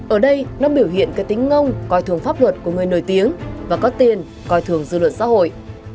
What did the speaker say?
ở đây nó biểu hiện cái tính ngông coi thường pháp luật của người nổi tiếng và có tiền coi thường dư luận xã hội